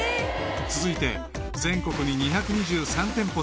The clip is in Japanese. ［続いて全国に２２３店舗出店］